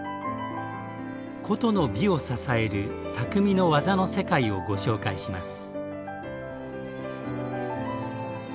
古都の美を支える「匠の技の世界」をご紹介します。